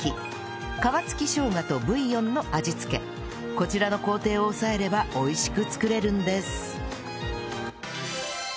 こちらの工程を押さえれば美味しく作れるんです